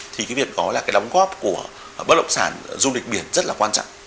thì cái việc đó là cái đóng góp của bất động sản du lịch biển rất là quan trọng